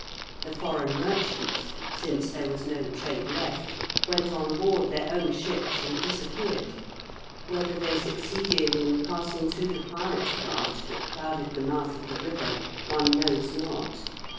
The foreign merchants, since there was no trade left, went on board their own ships and disappeared. Whether they succeeded in passing through the pirate craft that crowded the mouth of the river, one knows not.